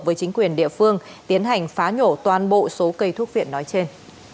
với chính quyền địa phương tiến hành phá nhổ toàn bộ số cây thuốc viện nói trên